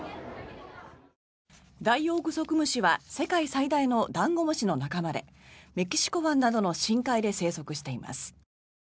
ダイオウグソクムシは世界最大のダンゴムシの仲間でメキシコ湾などの深海に生息しています。